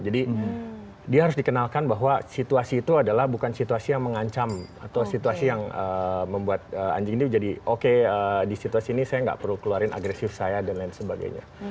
jadi dia harus dikenalkan bahwa situasi itu adalah bukan situasi yang mengancam atau situasi yang membuat anjing ini jadi oke di situasi ini saya gak perlu keluarin agresif saya dan lain lain